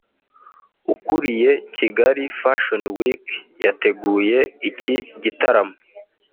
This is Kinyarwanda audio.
ukuriye Kigali Fashion Week yateguye iki gitaramo